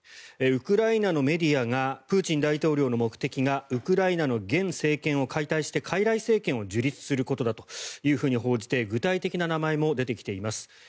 ウクライナのメディアがプーチン大統領の目的がウクライナの現政権を解体してかいらい政権を樹立することだというふうに報じて具体的な名前も出てきています。